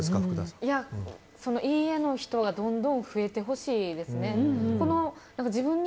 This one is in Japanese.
いいえの人がどんどん増えてほしいですね。